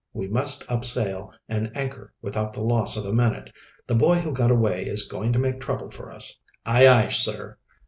We must up sail and anchor without the loss of a minute. That boy who got away is going to make trouble for us." "Aye, aye, sir!"